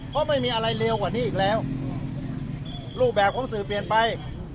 เพราะไม่มีอะไรเร็วกว่านี้อีกแล้วรูปแบบของสื่อเปลี่ยนไป